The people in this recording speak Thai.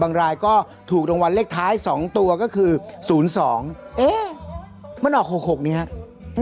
บางรายก็ถูกตรงวัลเลขท้ายสองตัวก็คือศูนย์สองเอ๊ะมันออกหกหกเนี่ยครับ